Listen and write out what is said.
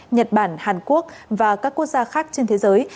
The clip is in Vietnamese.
nhật bản hàn quốc và các quốc gia khác trên thế giới